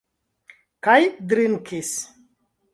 Kaj drinkis?